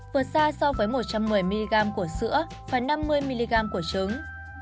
vượt xa so với một trăm một mươi mg của sữa và năm mươi mg của trứng